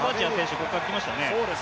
ここから来ましたね。